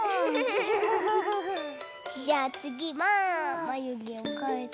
じゃあつぎはまゆげをかえて。